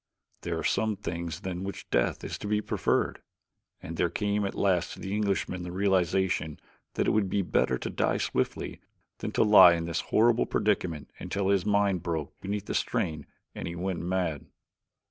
There are some things than which death is to be preferred; and there came at last to the Englishman the realization that it would be better to die swiftly than to lie in this horrible predicament until his mind broke beneath the strain and he went mad.